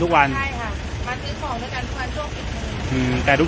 อ๋อต้องกลับมาก่อน